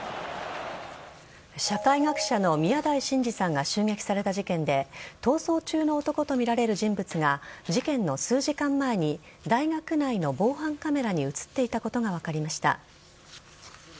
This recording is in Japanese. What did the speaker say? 社会学者の宮台真司さんが襲撃された事件で逃走中の男とみられる人物が事件の数時間前に大学内の防犯カメラに映っていたことが分かりました。